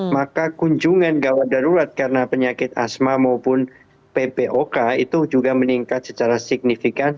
maka kunjungan gawat darurat karena penyakit asma maupun ppok itu juga meningkat secara signifikan